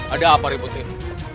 ada apa ribut ini